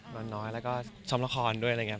วันน้อยแล้วก็ซ้อมละครด้วยอะไรอย่างนี้